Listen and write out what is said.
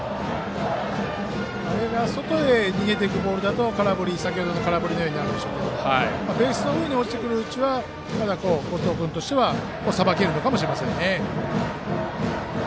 これが外へ逃げていくボールだと先程の空振りのようになるでしょうがベースの上に落ちてくるうちは後藤君はさばけるかもしれません。